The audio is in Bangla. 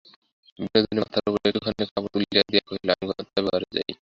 বিনোদিনী মাথার উপরে একটুখানি কাপড় তুলিয়া দিয়া কহিল, আমি তবে ঘরে যাই।